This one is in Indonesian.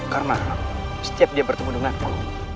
karena setiap dia bertemu denganku